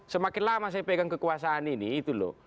semakin lama saya pegang kekuasaan ini itu loh